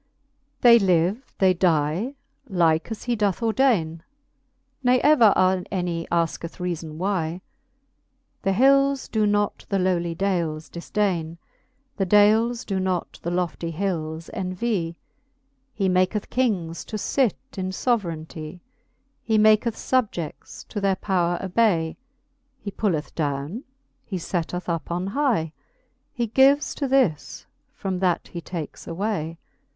They live, they die, like as he doth ordaine, Ne ever any asketh reafon why. The hils doe not the lowly dales difdaine \ The dales doe not the lofty hils envy. He maketh kings to fit in foverainty ; He maketh fubjeds to their powre obay ; He pulleth downe, he fetteth up on hy ; He gives to this, from that he takes away.